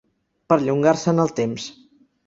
Perllongar-se en el temps.